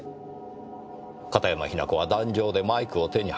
片山雛子は壇上でマイクを手に話をしていました。